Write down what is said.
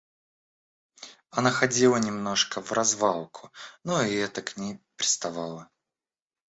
Она ходила немножко вразвалку, но и это к ней пристало.